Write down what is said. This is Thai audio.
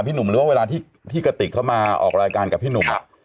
หนุ่มหรือว่าเวลาที่กระติกเขามาออกรายการกับพี่หนุ่ม